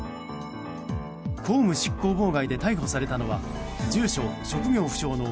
公務執行妨害で逮捕されたのは住所・職業不詳の